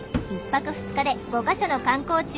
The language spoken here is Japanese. １泊２日で５か所の観光地を巡る